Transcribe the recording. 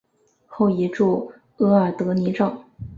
后移驻额尔德尼召。